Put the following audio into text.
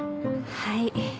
はい。